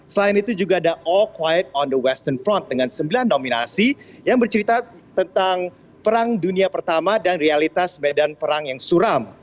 selain itu juga ada all quide on the western front dengan sembilan nominasi yang bercerita tentang perang dunia pertama dan realitas medan perang yang suram